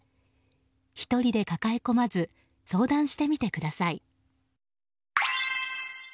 １人で抱え込まず相談してみてください。